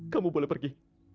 kamu boleh pergi